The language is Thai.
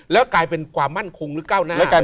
แล้วกลายเป็นความมั่นคงหรือก้าวหน้า